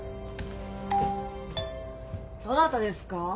どなたですか？